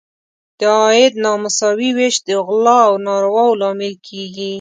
د عاید نامساوي ویش د غلا او نارواوو لامل کیږي.